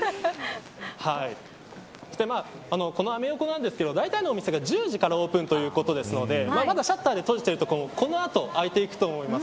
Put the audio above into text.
このアメ横なんですけどだいたいのお店が１０時からオープンということなのでまだシャッターで閉じている所もだんだん開いてくると思います。